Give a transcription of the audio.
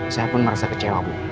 saya pun merasa kecewa